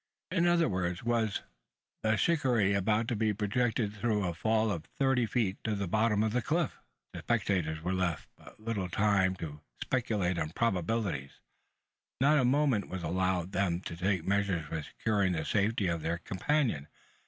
In other words, was the shikaree about to be projected through a fall of thirty feet to the bottom of the cliff? The spectators were left but little time to speculate on probabilities. Not a moment was allowed them to take measures for securing the safety of their companion.